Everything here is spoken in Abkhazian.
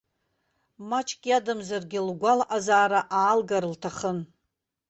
Маҷк иадамзаргьы лгәалаҟазара аалгар лҭахын.